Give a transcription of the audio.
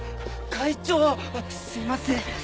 会長すいません。